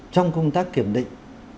trong công tác kiểm định